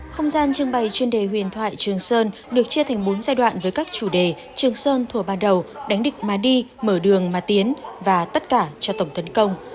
không gian trưng bày chuyên đề huyền thoại trường sơn được chia thành bốn giai đoạn với các chủ đề trường sơn thùa ban đầu đánh địch ma đi mở đường ma tiến và tất cả cho tổng tấn công